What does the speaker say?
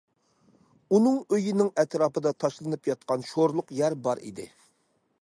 ئۇنىڭ ئۆيىنىڭ ئەتراپىدا تاشلىنىپ ياتقان شورلۇق يەر بار ئىدى.